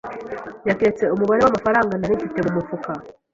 Yaketse umubare w'amafaranga nari mfite mu mufuka.